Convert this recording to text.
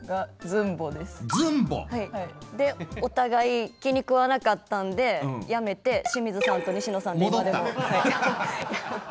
ずんぼ？でお互い気に食わなかったんでやめて清水さんと西野さんって今でも。戻った？